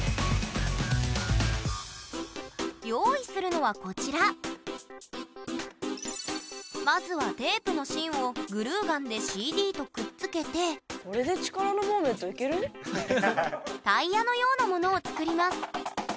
用意するのはこちらまずはテープの芯をグルーガンでＣＤとくっつけてタイヤのようなものを作ります。